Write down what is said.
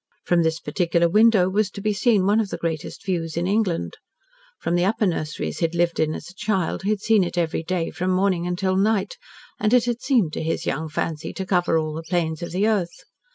From this particular window was to be seen one of the greatest views in England. From the upper nurseries he had lived in as a child he had seen it every day from morning until night, and it had seemed to his young fancy to cover all the plains of the earth.